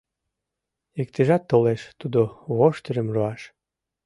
Иктыжат толеш тудо воштырым руаш